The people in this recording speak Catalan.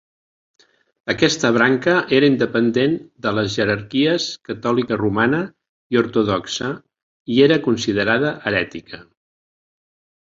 Aquesta branca era independent de les jerarquies catòlica romana i ortodoxa, i era considerada herètica.